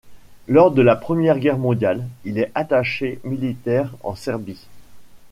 Lors de la Première Guerre mondiale, il est attaché militaire en Serbie.